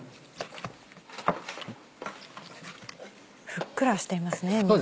ふっくらしていますね身が。